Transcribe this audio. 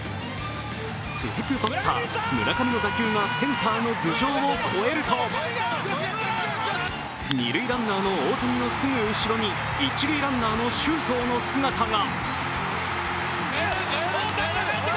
続くバッター・村上の打球がセンターの頭上を越えると二塁ランナーの大谷のすぐ後ろに一塁ランナーの周東の姿が。